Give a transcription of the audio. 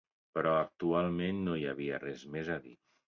Però actualment no hi havia res més a dir.